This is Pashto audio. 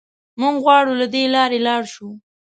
موږ غواړو له دې لارې لاړ شو.